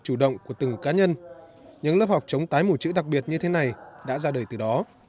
chủ động của từng cá nhân những lớp học chống tái mù chữ đặc biệt như thế này đã ra đời từ đó